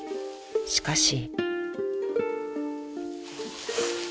［しかし］